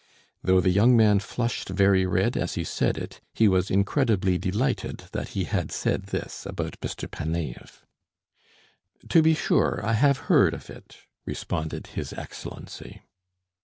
Though the young man flushed very red as he said it, he was incredibly delighted that he had said this about Mr. Panaev. "To be sure, I have heard of it...." responded his Excellency.